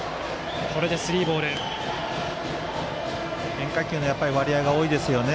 変化球の割合が多いですよね。